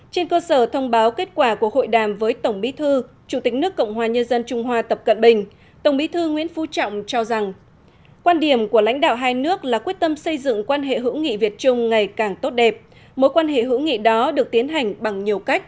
trên cơ sở thông báo kết quả của hội đàm với tổng bí thư chủ tịch nước cộng hòa nhân dân trung hoa tập cận bình